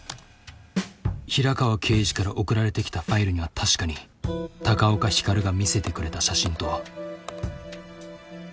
平川刑事から送られてきたファイルには確かに高岡ひかるが見せてくれた写真と。